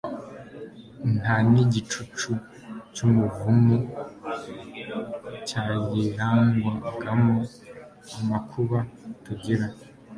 nta nigicucu cyumuvumo cyayirangwagamo Amakuba tugira